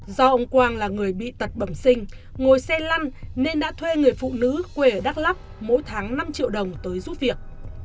do ông quang là người bị tật bẩm sinh ngồi xe lăn nên đã thuê người phụ nữ quê ở đắk lắk mỗi tháng năm triệu đồng tới giúp việc